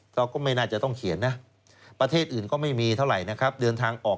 เราก็ไม่น่าจะต้องเขียนนะประเทศอื่นก็ไม่มีเท่าไหร่นะครับเดินทางออก